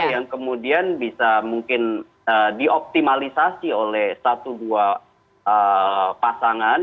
yang kemudian bisa mungkin dioptimalisasi oleh satu dua pasangan